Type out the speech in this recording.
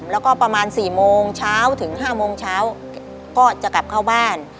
แล้วก็ประมาณ๔โมงเช้าถึง๕โมงเช้าก็จะกลับเข้าบ้าน